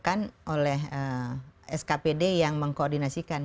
mekanismenya diusulkan oleh skpd yang mengkoordinasikan